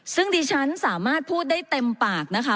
ซึ่งดิฉันสามารถพูดได้เต็มปากนะคะ